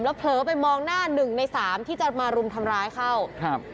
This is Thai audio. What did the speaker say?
เผลอไปมองหน้าหนึ่งในสามที่จะมารุมทำร้ายเข้าครับ